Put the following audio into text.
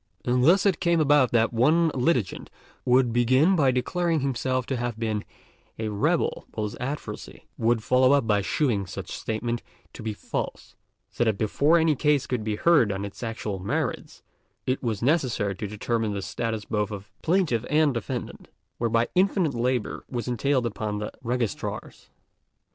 And thus it came about that one litigant would begin by declaring himself to have been a "rebel," while his adversary would follow up by shewing such statement to be false; so that before any case could be heard on its actual merits, it was necessary to determine the status both of plaintiff and defendant, whereby infinite labour was entailed upon the Registrars.